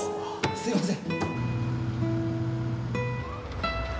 すいません。